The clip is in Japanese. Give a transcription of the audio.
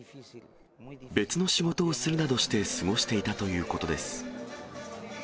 別の仕事をするなどして過ごしていたということです。